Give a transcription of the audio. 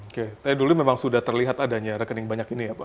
oke dulu memang sudah terlihat adanya rekening banyak ini ya pak